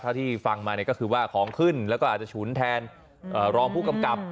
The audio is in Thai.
ที่ฟังมาเนี่ยก็คือว่าของขึ้นแล้วก็อาจจะฉุนแทนรองผู้กำกับ